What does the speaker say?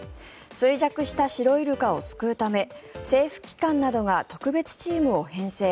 衰弱したシロイルカを救うため政府機関などが特別チームを編成。